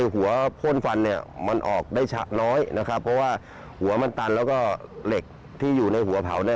หัวพ่นฟันเนี่ยมันออกได้ชะน้อยนะครับเพราะว่าหัวมันตันแล้วก็เหล็กที่อยู่ในหัวเผาเนี่ย